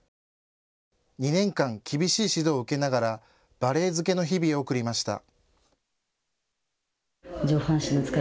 ２年間、厳しい指導を受けながらバレエ漬けの日々を送りました。